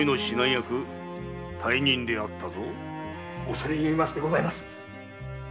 恐れ入りましてございます。